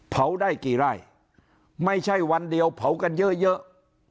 ได้กี่ไร่ไม่ใช่วันเดียวเผากันเยอะเยอะ